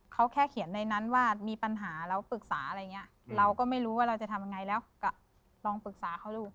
เขาแค่เขียนในนั้นว่ามีปัญหาเราปรึกษาอะไรอย่างนี้เราก็ไม่รู้ว่าเราจะทำยังไงแล้วก็ลองปรึกษาเขาดู